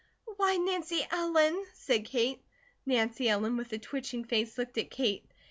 "Why, Nancy Ellen " said Kate. Nancy Ellen, with a twitching face, looked at Kate.